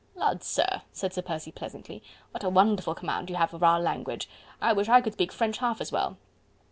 "Lud! sir," said Sir Percy pleasantly, "what a wonderful command you have of our language.... I wish I could speak French half as well..."